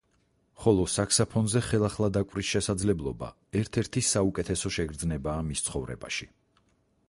ხოლო საქსაფონზე ხელახლა დაკვრის შესაძლებლობა ერთ-ერთი საუკეთესო შეგრძნებაა მის ცხოვრებაში.